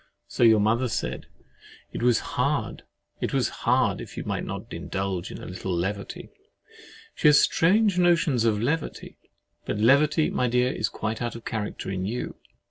So your mother said, "It was hard if you might not indulge in a little levity." She has strange notions of levity. But levity, my dear, is quite out of character in you.